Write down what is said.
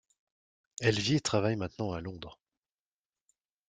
Elle vit et travaille maintenant à Londres.